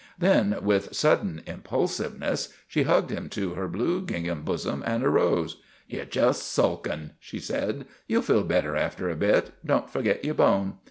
Then, with sudden impulsiveness, she hugged him to her blue gingham bosom and arose. " Ye 're just sulkin'," she said. " Ye '11 feel bet ter after a bit. Don't forget your bone."